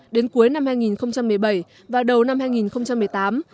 đến cuối năm hai nghìn một mươi bảy và đầu năm hai nghìn một mươi tám